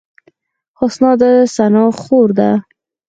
حسنا د ثنا خور ده